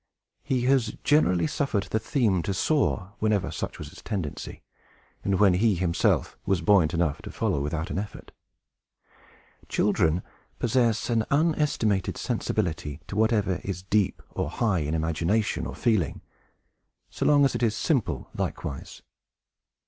He has generally suffered the theme to soar, whenever such was its tendency, and when he himself was buoyant enough to follow without an effort. Children possess an unestimated sensibility to whatever is deep or high, in imagination or feeling, so long as it is simple likewise.